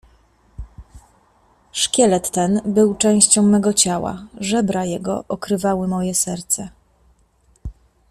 Szkielet ten był częścią mego ciała, żebra jego okrywały moje serce.